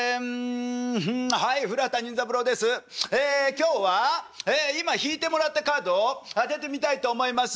今日は今引いてもらったカードを当ててみたいと思います。